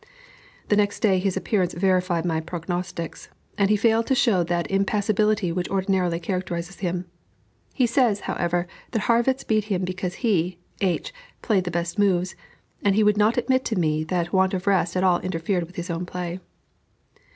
The next day his appearance verified my prognostics, and he failed to show that impassibility which ordinarily characterizes him. He says, however, that Harrwitz beat him because he (H.) played the best moves; and he would not admit to me that want of rest at all interfered with his own play.